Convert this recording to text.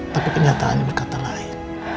tapi kenyataannya berkata lain